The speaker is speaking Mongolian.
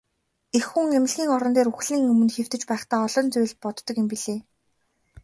Эх хүн эмнэлгийн орон дээр үхлийн өмнө хэвтэж байхдаа олон зүйл боддог юм билээ.